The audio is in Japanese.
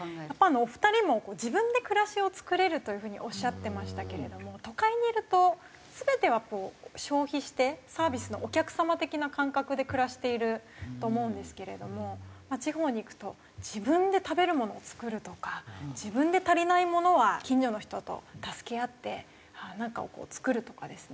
お二人も「自分で暮らしを作れる」という風におっしゃってましたけれども都会にいると全てはこう消費してサービスのお客さま的な感覚で暮らしていると思うんですけれども地方に行くと自分で食べるものを作るとか自分で足りないものは近所の人と助け合ってなんかをこう作るとかですね。